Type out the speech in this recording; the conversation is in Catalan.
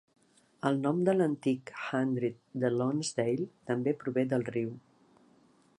El nom de l'antic "hundred" de Lonsdale també prové del riu.